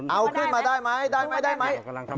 เอาขึ้นมาได้ไหมได้ไหมได้ไหม